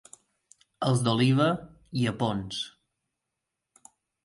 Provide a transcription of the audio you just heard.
Els d'Oliva, llepons.